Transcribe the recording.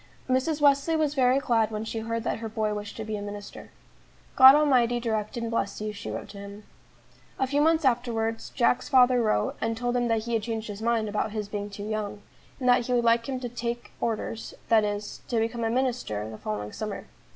Mrs. Wesley was very glad when she heard that her boy wished to be a minister. "God Almighty direct and bless you," she wrote to him. A few months afterwards, Jack's father wrote, and told him that he had changed his mind about his being too young, and that he would like him to "take Orders," that is, to become a minister, the following summer.